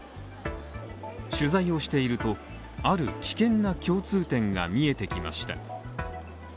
取材をしていると、ある危険な共通点が見えてきました。